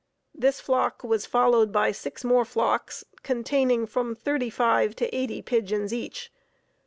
This flock was followed by six more flocks containing from thirty five to eighty pigeons each.